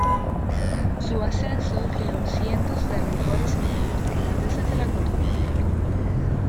Su ascenso creó ciertos rencores entre los tailandeses de la corte.